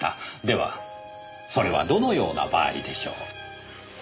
ではそれはどのような場合でしょう。